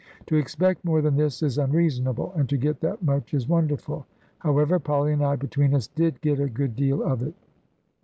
To expect more than this is unreasonable; and to get that much is wonderful. However, Polly and I, between us, did get a good deal of it.